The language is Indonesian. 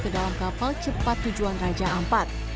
ke dalam kapal cepat tujuan raja ampat